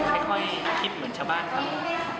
ค่อยคิดเหมือนชาวบ้านเขา